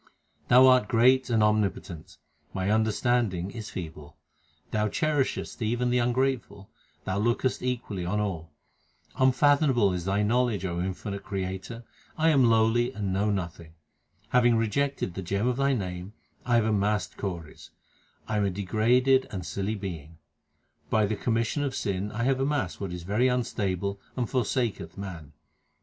Thou art great and omnipotent ; my understanding is feeble. Thou cherishest even the ungrateful ; Thou lookest equally on all. 1 Literally According as the sprout cometh from the seed. 34^ THE SIKH RELIGION Unfathomable is Thy knowledge, O infinite Creator ; I am lowly and know nothing. Having rejected the gem of Thy name, I have amassed kauris ; I am a degraded and silly being. By the commission of sin I have amassed what is very unstable and forsaketh man.